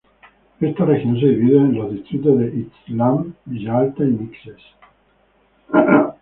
Esta región se divide en los Distritos de Ixtlán, Villa Alta y Mixes.